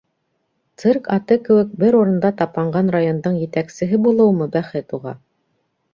Цирк аты кеүек бер урында тапанған райондың етәксеһе булыумы бәхет уға?